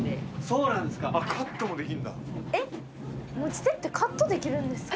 そうなんです。